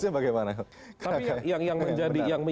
oke harusnya bagaimana